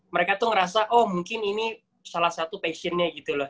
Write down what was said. mereka tuh ngerasa oh mungkin ini salah satu passionnya gitu loh